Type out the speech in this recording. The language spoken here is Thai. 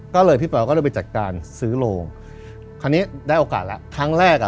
ก็เลยพี่เปล่าก็เลยไปจัดการซื้อโรงคราวนี้ได้โอกาสแล้วครั้งแรกอ่ะ